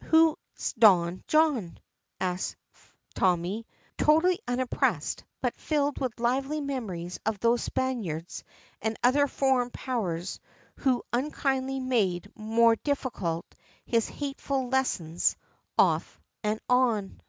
"Who's Don John?" asks Tommy, totally unimpressed, but filled with lively memories of those Spaniards and other foreign powers who have unkindly made more difficult his hateful lessons off and on.